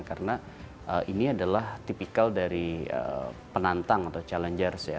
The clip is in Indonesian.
karena ini adalah tipikal dari penantang atau challengers